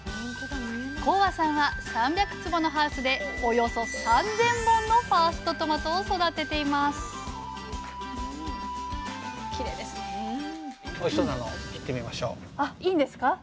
高和さんは３００坪のハウスでおよそ３，０００本のファーストトマトを育てていますあいいんですか？